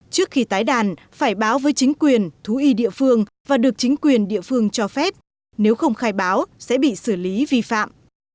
trước khi tái đàn phải báo với chính quyền thú y địa phương và được chính quyền địa phương cho phép nếu không khai báo sẽ bị xử lý vi phạm